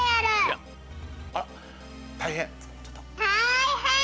「たいへん！